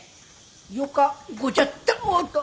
よかごちゃったらおっと。